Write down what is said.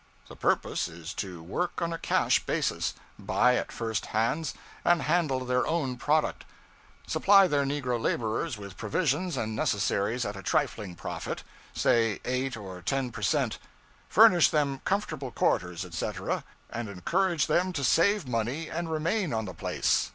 The purpose is to work on a cash basis: buy at first hands, and handle their own product; supply their negro laborers with provisions and necessaries at a trifling profit, say 8 or 10 per cent.; furnish them comfortable quarters, etc., and encourage them to save money and remain on the place.